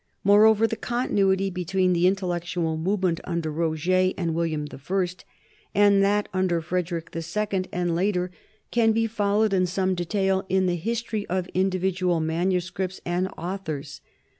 Moreover, the continuity be tween the intellectual movement under Roger and William I and that under Frederick II and later can be followed in some detail in the history of individual manuscripts and authors.